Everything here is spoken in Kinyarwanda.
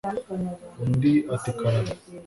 undi ati karame